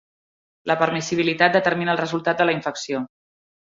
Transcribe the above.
La permissibilitat determina el resultat de la infecció.